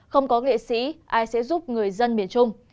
không có nghệ sĩ ai sẽ giúp người dân miền trung